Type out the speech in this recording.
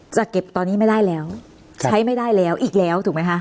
จะเก็บตอนนี้ไม่ได้แล้วใช้ไม่ได้แล้วอีกแล้วถูกไหมคะ